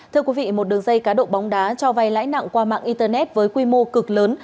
thưa quý vị một đường dây cá độ bóng đá cho vay lãi nặng qua mạng internet với quy mô cực lớn